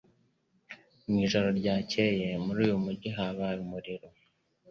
Mu ijoro ryakeye muri uyu mujyi habaye umuriro